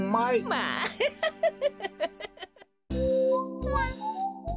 まあフフフフ。